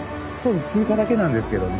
通過だけなんですけどね。